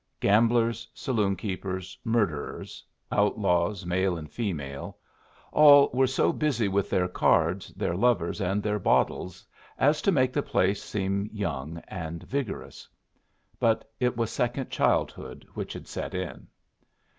Gamblers, saloon keepers, murderers, outlaws male and female, all were so busy with their cards, their lovers, and their bottles as to make the place seem young and vigorous; but it was second childhood which had set in.